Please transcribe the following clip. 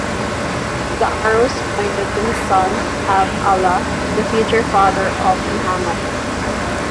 The arrows pointed to his son Abd-Allah, the future father of Muhammad.